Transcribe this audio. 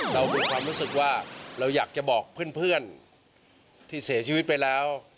เรามีความรู้สึกว่าเราอยากจะบอกเพื่อนที่เสียชีวิตไปแล้ว